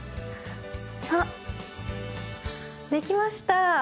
あっできました。